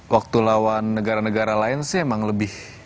waktu lawan negara negara lain sih emang lebih